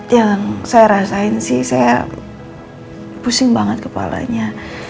yang saya rasain sih saya pusing banget kepalanya